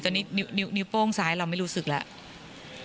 ตอนนี้นิ้วโป้งซ้ายเราไม่รู้สึกแล้ว